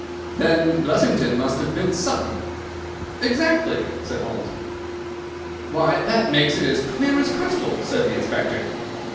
"Then Blessington must have been Sutton." "Exactly," said Holmes. "Why, that makes it as clear as crystal," said the inspector.